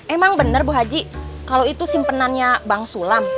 emang bener bu haji kalau itu simpannya bang sulam